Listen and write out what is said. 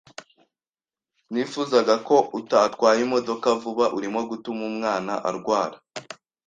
Nifuzaga ko utatwara imodoka vuba. Urimo gutuma umwana arwara!